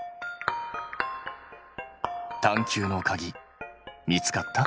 探究のかぎ見つかった？